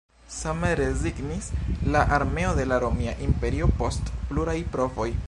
Same rezignis la armeo de la Romia Imperio post pluraj provoj.